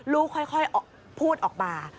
ค่อยพูดออกมา